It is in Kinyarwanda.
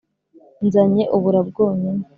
“nzanye ubura bwonyine